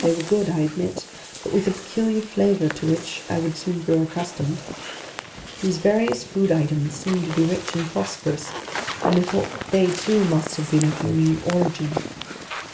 They were good, I admit, but with a peculiar flavor to which I would soon grow accustomed. These various food items seemed to be rich in phosphorous, and I thought that they, too, must have been of marine origin.